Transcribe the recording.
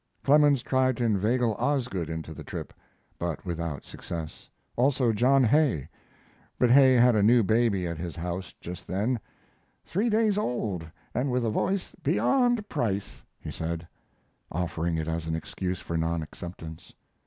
Clemens tried to inveigle Osgood into the trip, but without success; also John Hay, but Hay had a new baby at his house just then "three days old, and with a voice beyond price," he said, offering it as an excuse for non acceptance.